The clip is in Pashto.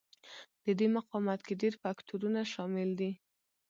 د دې مقاومت کې ډېر فکټورونه شامل دي.